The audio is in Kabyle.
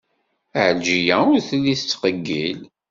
Ɛelǧiya ur telli tettqeyyil.